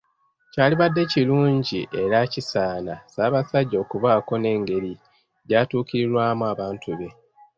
Kyalibadde kirungi era kisaana Ssabasajja okubaako n’engeri gyatuukirirwamu abantu be.